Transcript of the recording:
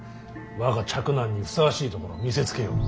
我が嫡男にふさわしいところを見せつけよう。